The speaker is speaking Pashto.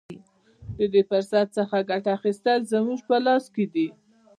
د دې فرصت څخه ګټه اخیستل زموږ په لاس کې دي.